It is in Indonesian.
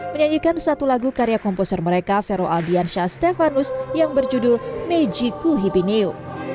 menyanyikan satu lagu karya komposer mereka fero aldian shah stephanus yang berjudul mejiku hibiniu